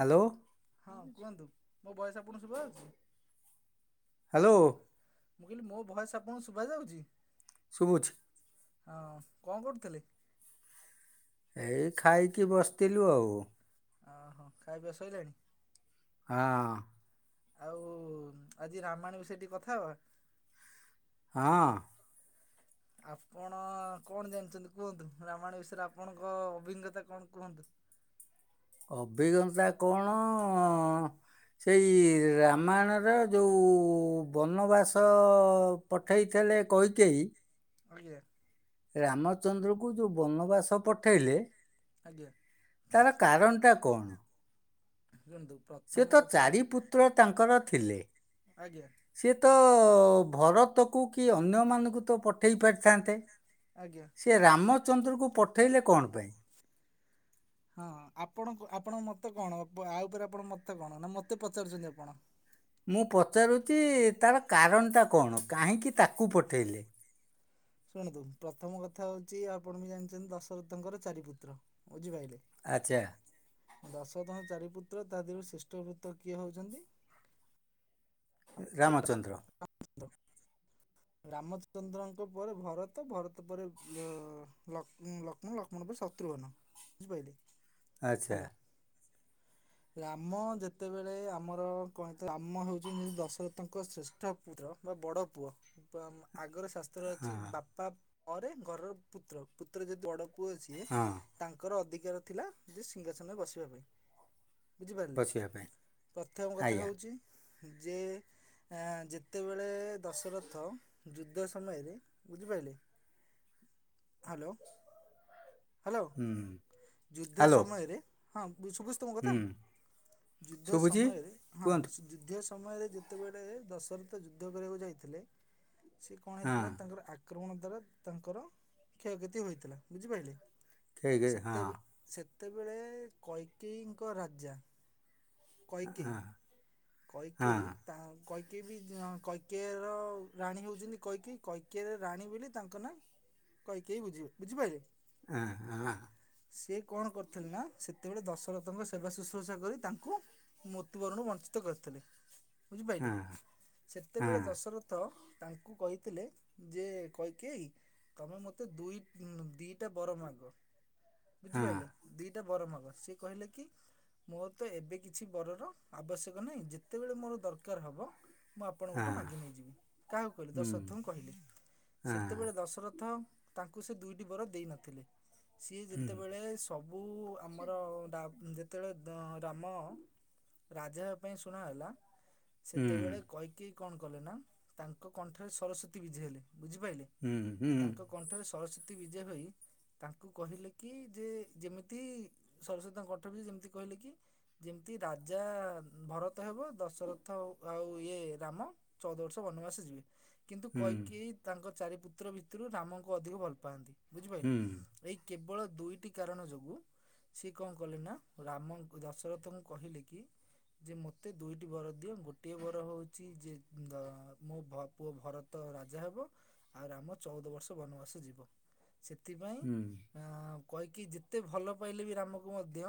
Hello. ହଁ କୁହନ୍ତୁ ମୋ ବୟସ୍ ଆପଣଙ୍କୁ ଶୁବା ହୋଉଚି? ହାଲୋ। ମୁଁ କହିଲି ମୋ ଭୟସ୍ ଆପଣଙ୍କୁ ଶୁଭାଯାଉଚି? ଶୁଭୁଛି। ହଁ କଣ କରୁଥିଲେ? ଏଇ ଖାଇକି ବସିଥିଲୁ ଆଉ। ଅ ହ ଖାଇବା ପିଇବା ସଇଲାଣି? ହଁ। ଆଉ ଆଜି ରାମାୟଣ ବିଷୟ ଟିକେ କଥା ହବା। ହଁ ଆପଣ କଣ ଜାଣିଛନ୍ତି କୁହନ୍ତୁ ରାମାୟଣ ବିଷୟରେ ଆପଣଙ୍କ ଅଭିଜ୍ଞତା କଣ କୁହନ୍ତୁ। ଅଭିଜ୍ଞତା କଣ? ସେଇ ରାମାୟଣର ଯେଉଁ ବନବାସ ପଠାଇଥିଲେ କୈକେୟୀ। ଆଜ୍ଞା ରାମଚନ୍ଦ୍ରକୁ ଯୋଉ ବନବାସ ପଠେଇଲେ। ଆଜ୍ଞା ତାର କାରଣଟା କଣ ଶୁଣନ୍ତୁ। ସେ ପ୍ରଥମ ତ କଥା ହେଲା ଚାରି ପୁତ୍ର ତାଙ୍କର ଥିଲେ। ଆଜ୍ଞା। ସି ତ ଭରତକୁ କି ଅନ୍ୟମାନଙ୍କୁ ତ ପ। ପଠେଇ ପାରିଥାନ୍ତେ ଆଜ୍ଞା ସେ ରାମଚନ୍ଦ୍ରକୁ ପଠେଇଲେ କଣ ପାଇଁ? ହଁ ଆପଣ ଆପଣଙ୍କ ମତ କଣ ଆ ଉପରେ ଆପଣ ମତ କଣ ନା ମତେ ପଚାରୁଛନ୍ତି ଆପଣ? ମୁଁ ପଚାରୁଛି ତାର କାରଣଟା କଣ କାହିଁକି ତାକୁ ପଠେଇଲେ? ଶୁଣନ୍ତୁ ପ୍ରଥମ କଥା ହଉଛି ଆପଣ ବି ଜାଣିଛନ୍ତି ଦଶରଥଙ୍କର ଚାରିପୁତ୍ର ବୁଝିପାରିଲେ। ଆଚ୍ଛା ଦଶ ତମ ଚାରିପୁତ୍ର ତାଦିହରୁ ଶ୍ରେଷ୍ଠ ପୁତ୍ର କିଏ ହଉଛନ୍ତି। ରାମଚନ୍ଦ୍ର। ହ। ରାମଚନ୍ଦ୍ରଙ୍କ ପରେ ଭରତ ଭରତ ପରେ ମୁଁ ଲକ୍ଷ୍ମଣ ପରେ ଶତ୍ରୁଘ୍ନ ବୁଝିପାଇଲେ। ଆଚ୍ଛା। ରାମ ଯେତେବେଳେ ଆମର କ ରାମ ହେଉଛି ଦଶରଥଙ୍କ ଶ୍ରେଷ୍ଠ। ପୁତ୍ର ବା ବଡ଼ ପୁଅ। ଆଗର ଶାସ୍ତ୍ର ଅଛି ହଁ ବାପା ପରେ ଘରର ପୁତ୍ର ପୁତ୍ର ଯଦି ବଡ଼ ପୁଅ ଅଛି। ଯିଏ ହଁ ତାଙ୍କର ଅଧିକାର ଥିଲା ଯେ ସିଂହାସନରେ ବସିବା ପାଇଁ ବୁଝିପାରିଲେ ବସିବା ପାଇଁ ପ୍ରଥମ କଥା ଆଜ୍ଞା ହେଉଛି ଯେ ଯେତେବେଳେ ଦଶରଥ ଯୁଦ୍ଧ ସମୟରେ ବୁଝିପାରିଲି ହ୍ୟାଲୋ ହ୍ୟାଲୋ। ହୁଁ ଯୁଦ୍ଧ ହ୍ୟାଲୋ ସମୟରେ ହଁ ତମ କଥା ହୁଁ ଯୁଦ୍ଧ ଶୁଭୁଛି ସମୟରେ ହଁ କୁହନ୍ତୁ ଯୁଦ୍ଧ ସମୟରେ ଯେତେବେଳେ ଦଶରଥ ଯୁଦ୍ଧ କରିବାକୁ ଯାଇଥିଲେ ସେ କଣ ହଁ ହେଇଥିଲା ତାଙ୍କର ଆକ୍ରମଣ ଦ୍ଵାରା ତାଙ୍କର କ୍ଷୟକ୍ଷତି ହୋଇଥିଲା ବୁଝିପାରିଲେ ଠିକ୍ ହଁ ସେତେ ସେତେବେଳେ କଇକେଇଙ୍କ ରାଜା ହଁ କଇକେଇ। ହଁ କୈକେୟୀ। ତା କୈକେଇ ବି କୈକେଆର ରାଣୀ ହେଉଛନ୍ତି କଇକେଇ କୈକିଆର ରାଣୀ ବୋଲି ତାଙ୍କ ନାଁ କୈକେୟୀ ବୁଝ ବୁଝିପାରିଲେ। ହଁ ହଁ। ସେ କଣ କରିଥିଲେ ନା ସେତେବେଳେ ଦଶରଥଙ୍କ ସେବା ଶୁଶ୍ରୂଷା କରି ତାଙ୍କୁ ମୃତ୍ୟୁବରଣରୁ ବଞ୍ଚିତ କରିଥିଲେ ହଁ ବୁଝିପାରିଲେ ସେତେବେଳେ ହଁ ଦଶରଥ ତାଙ୍କୁ କହିଥିଲେ ଯେ କୈକେୟୀ ତମେ ମତେ ଦୁଇ ଦିଟା ବର ମାଗ ହଁ ବୁଝିପାରିଲେ। ଦିଟା ବର ମାଗ ସିଏ କହିଲେ କି ମୋର ତ ଏବେ କିଛି ବରର ଆବଶ୍ୟକ ନାଇଁ ଯେତେବେଳେ ମୋର ଦରକାର ହବ। ମୁଁ ହଁ ଆପଣଙ୍କଠୁ ମାଗି ନେଇଯିବି କାହାକୁ କହିଲି ହୁଁ ଦଶରଥଙ୍କୁ କହିଲି ହଁ ସେତେବେଳେ ଦଶରଥ ତାଙ୍କୁ ସେ ଦୁଇଟି ବର ଦେଇ ନଥିଲେ ସିଏ ଯେତେବେଳେ ସବୁ ଆମର ଯେତେବେଳେ ରାମ ରାଜା ଶୁଣା ହେଲା ହୁଁ ସେତେବେଳେ କ କିଏ କଣ କଲେ ନା ତାଙ୍କ କଣ୍ଠରେ ସରସ୍ଵତୀ ବିଜେ ହେଲେ ବୁଝିପାଇଲେ? ହୁଁ ହୁଁ। କଣ୍ଠରେ ସରସ୍ୱତୀ ବିଜୟ ହୋଇ ତାଙ୍କୁ କହିଲେ କି ଯେ ଯେମିତି ସରସ୍ଵତୀ ତାଙ୍କକଣ୍ଠରେ ବି ଯେମିତି କହିଲେ କି ଯେମିତି ରାଜା ଭରତ ହେବ ଦଶରଥ ଆଉ ଇଏ ରାମ ଚଉଦ ବର୍ଷ ବନବାସ ଯିବେ। କିନ୍ତୁ କୈକେୟୀ ତାଙ୍କ ଚାରିପୁତ୍ର ଭିତରୁ ରାମଙ୍କୁ ଅଧିକ ଭଲ ପାଆନ୍ତି। ବୁଝିପାରିଲେ? ହୁଁ ଏଇ କେବଳ ଦୁଇଟି କାରଣ ଯୋଗୁ ସିଏ କଣ କଲେ ନା ରାମ ଦଶରଥଙ୍କୁ କହିଲେ କି ଯେ ମୋତେ ଦୁଇଟି ବର ଦିଅ ଗୋଟିଏ ବର ହଉଚି ଯେ ମୋ ପୁଅ ଭର ତ ରାଜା ହେବ ଆଉ ରାମ ଚଉଦ ବର୍ଷ ବନବାସ ଯିବ। ସେଥିପାଇଁ ହୁଁ ଆ କୈକେୟୀ ଯେତେ ଭଲ ପାଇଲେ ବି ରାମକୁ ମଧ୍ୟ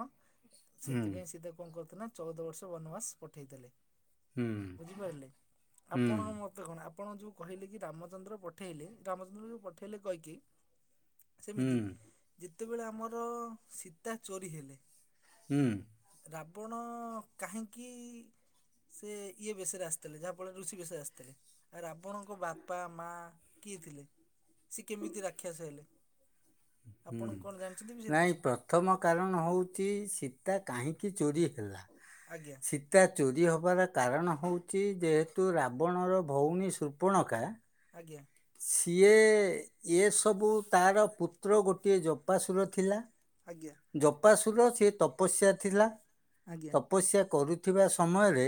ହୁଁ ସେଥିପାଇଁ ହୁଁ ସେତାକୁ କଣ କରିଥିଲେ ନା ଚଉଦ ବର୍ଷ ବନବାସ ପଠେଇଥିଲେ। ହୁଁ ବୁଝିପାରିଲେ? ଆପଣଙ୍କ ମ ତ କଣ ଆପଣ ଯୋଉ କହିଲେ କି ରାମଚନ୍ଦ୍ର ପଠେଇଲେ ରାମଚନ୍ଦ୍ର ଯୋଉ ପଠେଇଲେ କୈକେୟୀ ସେମିତି ହୁଁ ଯେତେବେଳେ ଆମର ସୀତା ଚୋରି ହେଲେ। ହୁଁ। ରାବଣ କାହିଁକି ସେ ଇଏ ବେଶରେ ଆସିଥିଲେ ଯାହାଫଳରେ ଋଷି ବେଶରେ ଆସିଥିଲେ। ରାବଣଙ୍କ ବାପା ମା କିଏ ଥିଲେ? ସେ କେମିତି ରାକ୍ଷସ ହେଲେ ଆପଣ ହୁଁ କଣ ଜାଣିଚନ୍ତି ଏ ବିଷୟରେ ନାଇଁ କିଛି। ପ୍ରଥମ କାରଣ ହଉଚି ସୀତା କାହିଁକି ଚୋରି ହେଲା? ଆଜ୍ଞା। ସୀତା ଚୋରି ହବାର କାରଣ ହଉଚି ଯେହେତୁ ରାବଣର ଭଉଣୀ ସୂପଣକା ଆଜ୍ଞା। ସିଏ ଏସବୁ ତାର ପୁତ୍ର ଗୋଟିଏ ଜପାସୁର ଥିଲା। ଆଜ୍ଞା। ଜପାସୁର ସେ ତପସ୍ୟା ଥିଲା। ଆଜ୍ଞା। ତପସ୍ୟା କରୁଥିବା ସମୟରେ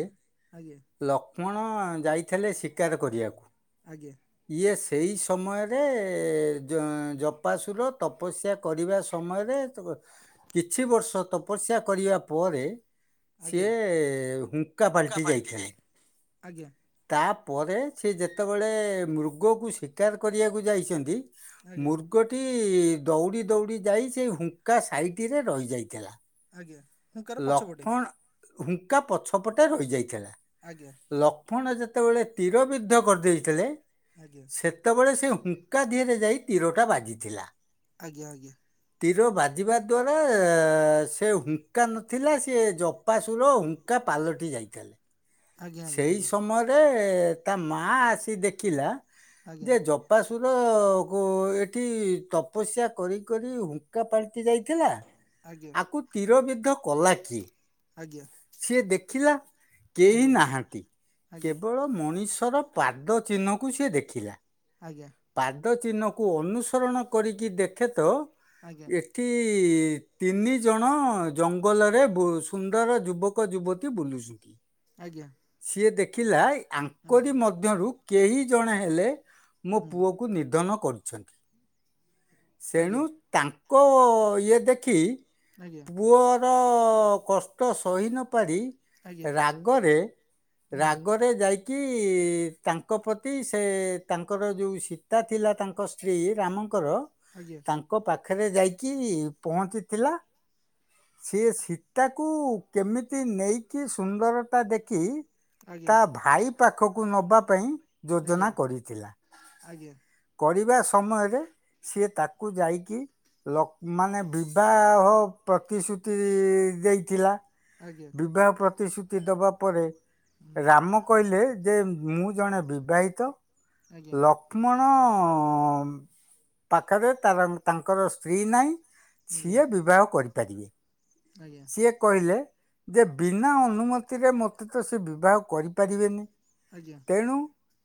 ଆଜ୍ଞା। ଲକ୍ଷ୍ମଣ ଯାଇଥିଲେ ଶିକାର କରିବାକୁ। ଆଜ୍ଞା। ଇଏ ସେଇ ସମୟରେ ଜପାଶୁର ତପସ୍ୟା କରିବା ସମୟରେ କିଛି ବର୍ଷ ତପସ୍ୟା କରିବା ପରେ ଆଜ୍ଞା ସିଏ ହୁଙ୍କା କା ପାଲଟି ଯାଇ ଯାଇଥିଲେ। ଆଜ୍ଞା। ତାପରେ ସେ ଯେତେବେଳେ ମୃଗକୁ ଶିକାର କରିବାକୁ ଯାଇଚନ୍ତି ଆଜ୍ଞା ମୃଗଟି ଦୌଡ଼ି ଦୌଡ଼ି ଯାଇ ସେଇ ହୁଙ୍କା ସାଇଟିରେ ରହିଯାଇଥିଲା। ଆଜ୍ଞା। ହୁଙ୍କାର ପଛପଟେ ଲକ୍ଷ୍ମଣ ହୁଙ୍କା ପଛପଟେ ରହିଯାଇଥିଲା। ଆଜ୍ଞା। ଲକ୍ଷ୍ମଣ ଯେତେବେଳେ ତୀର ବିଦ୍ଧ କରିଦେଇଥିଲେ ଆଜ୍ଞା। ସେତେବେଳେ ସେ ହୁଙ୍କା ଦିହରେ ଯାଇ ତୀରଟା ବାଜିଥିଲା। ଆଜ୍ଞା ଆଜ୍ଞା। ତୀର ବାଜିବା ଦ୍ୱାରା ଆ ସେ ହୁଙ୍କା ନଥିଲା ସିଏ ଜପାସୁର ହୁଙ୍କା ପାଲଟି ଯାଇଥିଲା। ଆଜ୍ଞା ଆଜ୍ଞା ସେଇ ଆଜ୍ଞା ସମୟରେ ତା ମା ଆସି ଦେଖିଲା ଯେ ଜ ପାସୁର ଗୋ ଏଠି ତପସ୍ୟା କରି କରି ହୁଙ୍କା ପାଲ୍ ଯାଇଥିଲା ଆଜ୍ଞା ଆଜ୍ଞା ଆକୁ ତୀର ବିଧ କଲା କିଏ? ଆଜ୍ଞା। ସିଏ ଦେଖିଲା ଆଜ୍ଞା କେହି ଆଜ୍ଞା ନାହାନ୍ତି ଆଜ୍ଞା କେବଳ ମଣିଷର ପାଦ ଚିହ୍ନକୁ ସିଏ ଦେଖିଲା। ଆଜ୍ଞା। ପାଦ ଚିହ୍ନକୁ ଅନୁସରଣ କରିକି ଦେଖେ ତ ଆଜ୍ଞା ଏ ଏଠି ତିନି ଜଣ ଜଙ୍ଗଲରେ ସୁନ୍ଦର ଯୁବକ ଯୁବତୀ ବୁଲୁ ଚନ୍ତି। ଆଜ୍ଞା। ସିଏ ଦେଖିଲା ୟାଙ୍କରି ଆଜ୍ଞା ମଧ୍ୟରୁ କେହି ଜଣେ ହେଲେ ମୋ ହୁଁ ପୁଅକୁ ନିଧନ କରୁଛନ୍ତି ସେଣୁ ଆଜ୍ଞା ତାଙ୍କ ଇଏ ଦେଖି ଆଜ୍ଞା। ପୁଅର କଷ୍ଟ ସହି ନପାରି ଆଜ୍ଞା ରାଗରେ ହୁଁ ରାଗ ରେ ଯାଇକି ତାଙ୍କ ପ୍ରତି ସେ ତାନ୍ ଙ୍କର ଯୋଉ ସୀତା ଥିଲା ତାଙ୍କ ସ୍ତ୍ରୀ ରାମଙ୍କର ଆଜ୍ଞା ତାନ୍ ଙ୍କ ପାଖରେ ଯାଇକି ପହଞ୍ଚିଥିଲା ସିଏ ସୀତାକୁ କେମିତି ନେଇକି ସୁନ୍ଦର ତା ଦେଖି ଆଜ୍ଞା ତା ଭାଇ ପାଖକୁ ନବା ପାଇଁ ଆଜ୍ଞା ଯୋଜନା କରିଥିଲା ଆଜ୍ଞା। କରିବା ସମୟରେ ସିଏ ତାକୁ ଯାଇକି ଲ ମାନେ ବିବାହ ପ୍ରତିଶ୍ରୁତି ଦେଇଥିଲା ଆଜ୍ଞା ବିବାହ ପ୍ରତିଶ୍ରୁତି ଦବା ପରେ ହୁଁ ରାମ କହିଲେ ଯେ ମୁଁ ଜଣେ ବିବାହିତ ଆଜ୍ଞା ଲ ଲକ୍ଷ୍ମଣ ପାଖରେ ତାର ତାଙ୍କର ସ୍ତ୍ରୀ ନାହିଁ। ଆଜ୍ଞା ସିଏ ବିବାହ କରିପାରିବେ ଆଜ୍ଞା ସିଏ କହିଲେ ଯେ ବିନା ଅନୁମତିରେ ମତେ ତ ସେ ବିବାହ କରିପାରିବେନି। ଆଜ୍ଞା। ତେଣୁ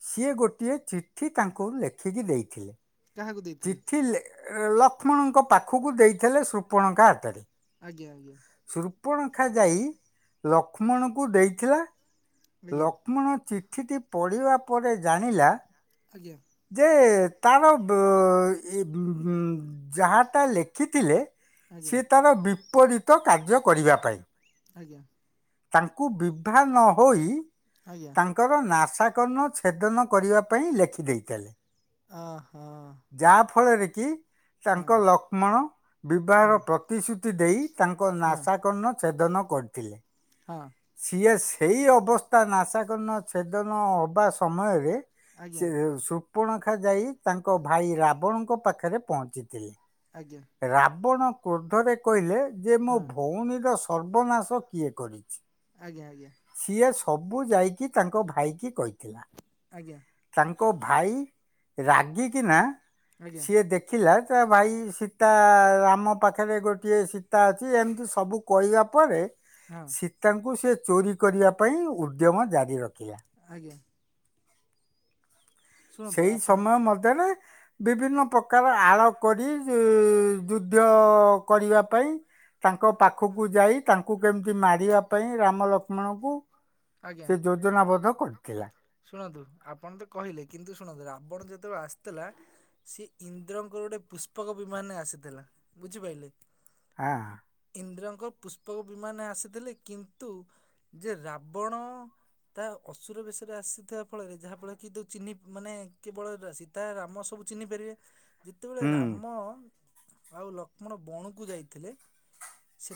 ସିଏ ଗୋଟିଏ ଚିଠି ତାଙ୍କୁ ଲେଖିକି ଦେଇଥିଲେ କାହାକୁ ଦେଇଥିଲେ ଚିଠି ଲେ ଲକ୍ଷ୍ମଣଙ୍କ ପାଖୁକୁ ଦେଇଥିଲେ ଶୃପଣଖା ହାତରେ। ଆଜ୍ଞା ଆଜ୍ଞା। ଶୃପଣଖା ଯାଇ ଲକ୍ଷ୍ମଣଙ୍କୁ ଦେଇଥିଲା ଆଜ୍ଞା ଲକ୍ଷ୍ମଣ ଚିଠିଟି ପଢ଼ିବା ପରେ ଜାଣିଲା ଆଜ୍ଞା। ଯେ ତାର ବ ଏ ଯାହାଟା ଲେଖିଥିଲେ ଆଜ୍ଞା ସିଏ ତାର ବିପରୀତ କାର୍ଯ୍ୟ କରିବା ପାଇଁ। ଆଜ୍ଞା ତାଙ୍କୁ ବିଭା ନ ହୋଇ ଆଜ୍ଞା। ତାଙ୍କର ନାସାକର୍ଣ୍ଣ ଛେଦନ କରିବା ପାଇଁ ଲେଖି ଦେଇଥିଲେ। ଅହ। ଯାହା ଫଳରେ କି ତାଙ୍କ ଲକ୍ଷ୍ମଣ ହୁଁ ବିବାହର ପ୍ରତିଶ୍ରୁତି ଦେଇ ତାଙ୍କ ହଁ ନାସାକର୍ଣ୍ଣ ଚ୍ଛେଦନ କରିଥିଲେ। ହଁ। ସିଏ ସେଇ ଅବସ୍ଥା ନାସାକର୍ଣ୍ଣ ଚ୍ଛେଦନ ହବା ସମୟରେ ଆଜ୍ଞା ସେ ଶୃପଣଖା ଯାଇ ତାଙ୍କ ଭାଇ ରାବଣଙ୍କ ପାଖରେ ପହଞ୍ଚିଥିଲେ। ଆଜ୍ଞା। ରାବଣ କ୍ରୋଧରେ କହିଲେ ଯେ ମୋ ହଁ ଭୋଉଣୀର ସର୍ବନାଶ କିଏ କରିଚି? ଆଜ୍ଞା ଆଜ୍ଞା। ସିଏ ସବୁ ଯାଇକି ତାଙ୍କ ଭାଇକି କହିଥିଲା। ଆଜ୍ଞା। ତାଙ୍କ ଭାଇ ରାଗିକିନା ଆଜ୍ଞା ଆଜ୍ଞା ସିଏ ଦେଖ ଦେଖିଲା ଯେ ଭାଇ ସୀତା ଆମ ପାଖରେ ଗୋଟିଏ ସୀତା ଅଛି ଏମିତି ସବୁ କହିବା ପରେ ହଁ। ସୀତାଙ୍କୁ ସେ ଚୋରି କରିବା ପାଇଁ ଉଦ୍ୟମ ଜାରି ରଖିଲା। ଆଜ୍ଞା। ଶୁଣନ୍ତୁ ସେଇ ଆପଣ ସମୟ ମଧ୍ୟରେ ବିଭିନ୍ନ ପ୍ରକାର ଆଳ କରି ଯୁଦ୍ଧ କରିବା ପାଇଁ ତାଙ୍କ ପାଖକୁ ଯାଇ ତାଙ୍କୁ କେମିତି ମାରିବା ପାଇଁ ରାମ ଲକ୍ଷ୍ମଣଙ୍କୁ ଆଜ୍ଞା ଯୋଜନାବଦ୍ଧ କରିଥିଲା। ଶୁଣନ୍ତୁ ଆପଣ ତ କହିଲେ କିନ୍ତୁ ଶୁଣନ୍ତୁ ଆପଣ ଯେତେବେଳେ ଆସିଥିଲା ସିଏ ଇନ୍ଦ୍ରଙ୍କର ଗୋଟେ ପୁଷ୍ପକ ବିମାନରେ ଆସିଥିଲା ବୁଝିପାରିଲେ। ଆ। ଇନ୍ଦ୍ରଙ୍କ ପୁଷ୍ପକ ବିମାନେ ଆସିଥିଲେ କିନ୍ତୁ ଯେ ରାବଣ ତା ଅସୁର ବେଶରେ ଆସିଥିବା ଫଳରେ ଯାହା ଫଳରେ କି ଯୋ ଚିନି ମାନେ କେବଳରେ ଦାସି ତା ରାମ ସବୁ ଚିହ୍ନି ପାରିବେ। ଯେତେବେଳେ ହୁଁ ରାମ ଆଉ ଲକ୍ଷ୍ମଣ ବଣକୁ ଯାଇଥିଲେ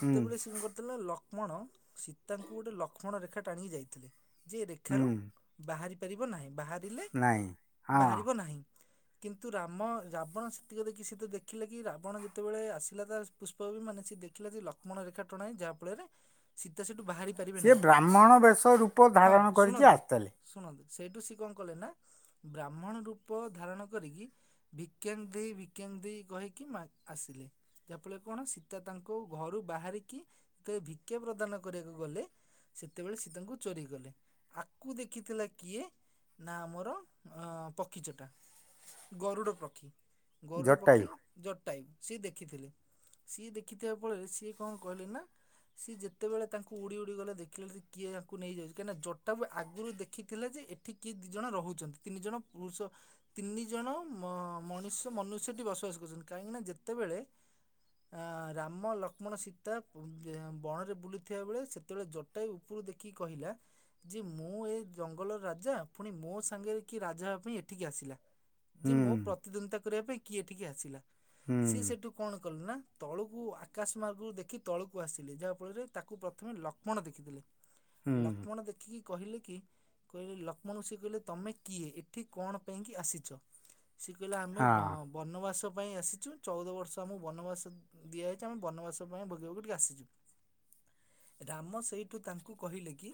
ହୁଁ ସେ କଣ କରିଥିଲା ଲକ୍ଷ୍ମଣ ସୀତାଙ୍କୁ ଗୋଟେ ଲକ୍ଷ୍ମଣ ରେଖା ଟାଣିକି ଯାଇଥିଲେ। ଯେ ହୁଁ ରେଖାରୁ ବାହାରି ପାରିବ ନାହିଁ, ବାହାରିଲେ ନାଇଁ ହଁ ବାହାରିବ ନାହିଁ। କିନ୍ତୁ ରାମ ରାବଣ ସେତିକ ଦେଖି ସେ ଦେଖିଲେ କି ରାବଣ ଯେତେବେଳେ ଆସିଲା ତା ପୁଷ୍ପକ ବିମାନ ସେ ଦେଖିଲା ଯେ ଲକ୍ଷ୍ମଣ ରେଖା ଟଣାଏଚି ଯାହା ଫଳରେ ସୀତା ସେଠୁ ବାହାରି ପାରିବେ ସିଏ ନାହିଁ ବ୍ରାହ୍ମଣ ବେଶ ରୂପ ହଁ ଧାରଣ କରିକି ଶୁଣନ୍ତୁ ଆସିଥିଲେ ଶୁଣନ୍ତୁ ସେଇଠୁ ସେ କଣ କଲେ ନା ବ୍ରାହ୍ମଣ ରୂପ ଧାରଣ କରିକି ଭିକ୍ୟାଙ୍ଗ ଦ ଭିକ୍ୟାଙ୍ଗ ଦ କହିକି ମା ଆସିଲେ। ଯାହାଫଳରେ କଣ ସୀତା ତାଙ୍କୁ ଘରୁ ବାହାରିକି ଯେତେବେଳେ ଭିକ୍ଷା ପ୍ରଦାନ କରିବାକୁ ଗଲେ ଯେତେବେଳେ ସୀତାଙ୍କୁ ଚୋରି କଲେ ଆକୁ ଦେଖିଥିଲା କିଏ? ନା ଆମର ପକ୍ଷୀ ଚଟା ଗରୁଡ଼ ପକ୍ଷୀ। ଗୋରୁଡ ପକ୍ଷୀ ଜଟାୟୁ ସିଏ ଦେଖିଥିଲେ। ସିଏ ଦେଖିଥିବା ଫଳରେ ସିଏ କଣ କହିଲେ ନା ସିଏ ଯେତେବେଳେ ତାଙ୍କୁ ଉଡ଼ି ଉଡ଼ି ଗଲେ ଦେଖିଲେ କିଏ ୟାଙ୍କୁ ନେଇଯାଉଛି କାହିଁକିନା ଜଟାୟୁ ଆଗରୁ ଦେଖିଥିଲେ ଯେ ଏଠି କିଏ ଦୁଇ ଜଣ ରହୁଛନ୍ତି ତିନି ଜଣ ପୁରୁଷ ତିନି ଜଣ ମଣିଷ ମନୁଷ୍ୟଟି ବସବାସ କରୁଛନ୍ତି କାହିଁକିନା ଯେତେବେଳେ ଆ ରାମ ଲକ୍ଷ୍ମଣ ସୀତା ବଣରେ ବୁଲିଥିବା ବେଳେ ସେତେବେଳେ ଜଟାୟୁ ଉପରୁ ଦେଖିକି କହିଲା ଯେ ମୁଁ ଏ ଜଙ୍ଗଲର ରାଜା ପୁଣି ମୋ ସାଙ୍ଗରେ କିଏ ରାଜା ହେବା ପାଇଁ ଏଠିକି ଆସିଲା। ଯେ ମୋ ପ୍ରତିଦ୍ୱନ୍ଦିତା କରିବା ପାଇଁ କିଏ ଏଠିକି ଆସିଲା ସିଏ ସେଠୁ କଣ କଲା ନା ତଳୁକୁ ଆକାଶ ମାର୍ଗରୁ ଦେଖି ତଳକୁ ଆସିଲେ ଯାହାଫଳରେ ତାକୁ ପ୍ରଥମେ ଲକ୍ଷ୍ମଣ ଦେଖିଥିଲେ। ଲକ୍ଷ୍ମଣ ଦେଖିକି କହିଲେ କି କହିଲେ ଲକ୍ଷ୍ମଣକୁ ସେ କହିଲେ ତମେ କିଏ ଏଠି କଣ ପାଇଁ କି ଆସିଛ? ସେ କହିଲେ ଆମେ ବ ହଁ, ବନବାସ ପାଇଁ ଆସିଛୁ ଚଉଦ ବର୍ଷ ଆମକୁ ବନବାସ ଦିଆଯାଇଛି ଆମେ ବନବାସ ପାଇଁ ଭୋଗିବାକୁ ଟିକେ ଆସିଛୁ ରାମ ସେଇଠୁ ତାଙ୍କ କୁ କହିଲେ କି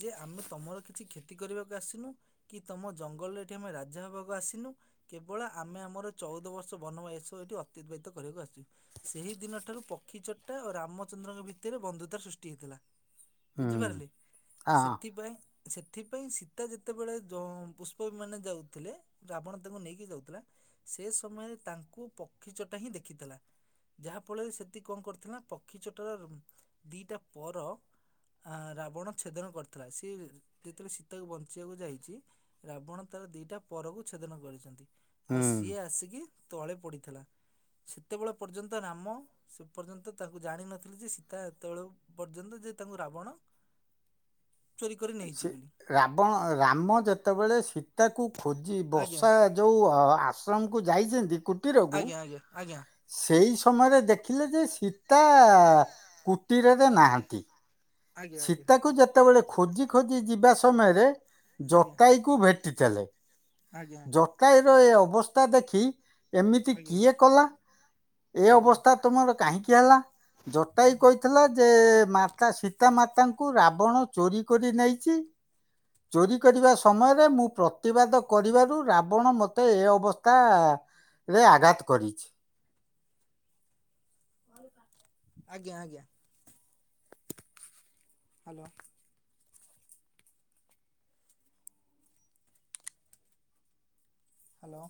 ଯେ ଆମେ ତମର କିଛି କ୍ଷତି କରିବାକୁ ଆସିନୁ କି ତମ ଜଙ୍ଗଲରେ ଏଠି ଆମେ ରାଜାବାକୁ ଆସିନୁ କେବଳ ଆମେ ଆମର ଚଉଦ ବର୍ଷ ବନବାୟସ ଏଠି ଅତତିବାହିତ କରିବାକୁ ଆସିଚୁ। ସେହିଦିନଠାରୁ ପକ୍ଷୀ ଚଟ୍ଟା ଓ ରାମଚନ୍ଦ୍ରଙ୍କ ଭିତରେ ବନ୍ଧୁତା ସୃଷ୍ଟି ହୋଇଥିଲା। ହୁଁ, ବୁଝିପାରିଲେ ହଁ, ସେଥିପାଇଁ ସେଥିପାଇଁ ସୀତା ଯେତେବେଳେ ପୁଷ୍ପ ବିମାନ ରେ ଯାଉଥିଲେ ରାବଣ ତାଙ୍କୁ ନେଇକି ଯାଉଥିଲା ସେ ସମୟରେ ତାଙ୍କୁ ପକ୍ଷୀ ଚଟା ହିଁ ଦେଖିଥିଲା। ଯାହାଫଳରେ ସେତିି କଣ କରିଥିଲା ନା ପକ୍ଷୀ ଚଟାର ଦୁଇଟା ପର ଆ ରାବଣ ଛେଦନ କରିଥିଲା। ସିଏ ଯେତେବେଳେ ସୀତାକୁ ବଞ୍ଚେଇବାକୁ ଯାଇଛି ରାବଣ ତାର ଦିଟା ପରକୁ ଛେଦନ କରିଛନ୍ତି। ଆଉ ହୁଁ, ସିଏ ଆସିକି ତଳେ ପଡିଥିଲା ସେତେବେଳେ ପର୍ଯ୍ୟନ୍ତ ରାମ ସେ ପର୍ଯ୍ୟନ୍ତ ତାଙ୍କୁ ଜାଣିନଥିଲେ ଯେ ସୀତା ଏତେବେଳ ପର୍ଯ୍ୟନ୍ତ ଯେ ତାଙ୍କୁ ରାବଣ ଚୋରି କରି ନେଇଛି ସେ ବୋଲି। ରାବଣ ରାମ ଯେତେବେଳେ ସୀତାକୁ ଖୋଜି ଆଜ୍ଞା ବସା ଯଉ ଆଶ୍ରମକୁ ଯାଇଛନ୍ତି କୁଟୀରକୁ ଆଜ୍ଞା ଆଜ୍ଞା ଆଜ୍ଞା। ସେଇ ସମୟରେ ଦେଖିଲେ ଯେ ସୀତା କୁଟୀରରେ ନାହାଁନ୍ତି। ଆଜ୍ଞା ସୀତାକୁ ଯେତେବେଳେ ଖୋଜି ଖୋଜି ଯିବା ସମୟରେ ଆଜ୍ଞା ଜଟାଇକୁ ଭେଟିଥିଲେ। ଆଜ୍ଞା ଆଜ୍ଞା ଜଟାୟୁ ର ଏ ଅବସ୍ଥା ଦେଖି ଏମିତି ଆଜ୍ଞା କିଏ କଲା? ଏ ଆଜ୍ଞା ଅବସ୍ଥା ତୁମର କାହିଁକି ହେଲା? ଜଟାୟୁ ଆଜ୍ଞା କହିଥିଲା ଯେ ମାତା ସୀତାମାତାଙ୍କୁ ରାବଣ ଚୋରି କରି ନେଇଛି। ଚୋରି କରିବା ସମୟରେ ମୁଁ ପ୍ରତିବାଦ କରିବାରୁ ରାବଣ ମୋତେ ଏ ଅବସ୍ଥା ରେ ଆଘାତ କରିଛି। ଆଜ୍ଞା ଆଜ୍ଞା। ହ୍ୟାଲୋ। ହ୍ୟାଲୋ।